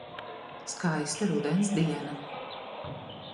Skaista rudens diena.